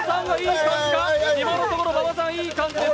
今のところ馬場さんいい感じです。